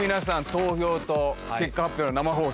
投票と結果発表の生放送